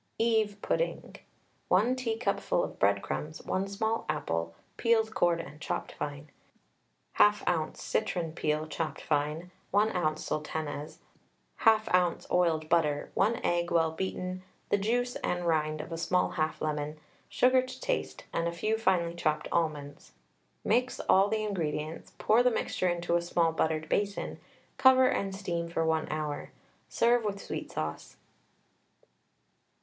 EVE PUDDING. 1 teacupful of breadcrumbs, 1 small apple, peeled, cored, and chopped fine, 1/2 oz. citron peel chopped fine, 1 oz. sultanas, 1/2 oz. oiled butter, 1 egg well beaten, the juice and rind of a small half lemon, sugar to taste, and a few finely chopped almonds. Mix all the ingredients, pour the mixture into a small buttered basin, cover and steam for 1 hour. Serve with sweet sauce.